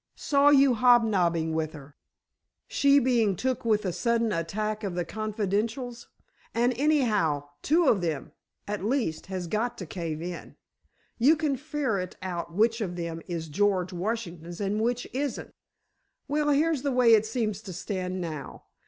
"Saw you hobnobbing with her—she being took with a sudden attack of the confidentials—and, anyhow, two of 'em—at least—has got to cave in. You can ferret out which of 'em is George Washingtons and which isn't." "Well, here's the way it seems to stand now.